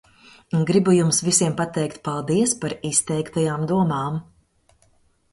Gribu jums visiem pateikt paldies par izteiktajām domām.